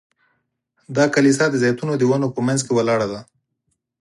دا کلیسا د زیتونو د ونو په منځ کې ولاړه ده.